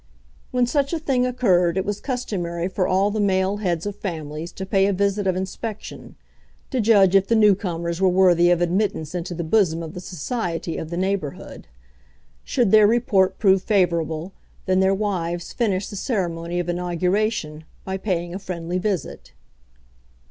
When such a thing occurred it was customary for all the male heads of families to pay a visit of inspection, to judge if the new comers were worthy of admittance into the bosom of the society of the neighbourhood. Should their report prove favourable, then their wives finished the ceremony of inauguration by paying a friendly visit.